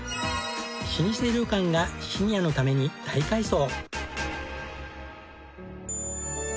老舗旅館がシニアのために大改装。